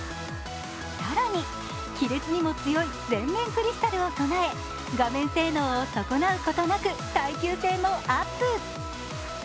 更に、亀裂にも強い全面クリスタルを備え、画面性能を損なうことなく耐久性もアップ。